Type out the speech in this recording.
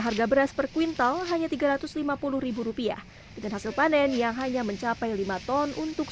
harga beras per kuintal hanya tiga ratus lima puluh rupiah dengan hasil panen yang hanya mencapai lima ton untuk